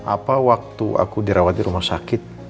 apa waktu aku dirawat di rumah sakit